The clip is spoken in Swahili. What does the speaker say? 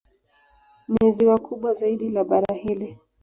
Ni ziwa kubwa zaidi la bara hili.